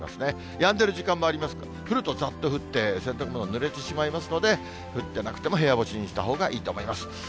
やんでる時間もありますが、降るとざっと降って、洗濯物ぬれてしまいますので、降ってなくても部屋干しにしたほうがいいと思います。